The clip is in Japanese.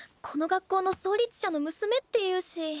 この学校の創立者の娘っていうし。